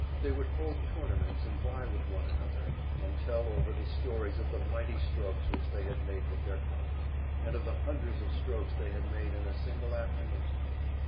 They would hold tournaments, and vie with one another, and tell over the stories of the mighty strokes which they had made with their clubs, and of the hundreds of strokes they had made in a single afternoon.